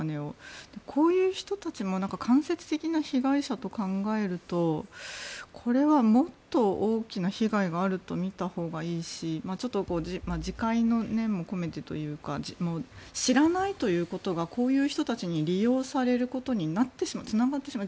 こういう人たちも間接的な被害者と考えるとこれはもっと大きな被害があるとみたほうがいいしちょっと自戒の念も込めてというか知らないということがこういう人たちに利用されることにつながってしまう。